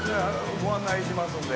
ご案内しますんで。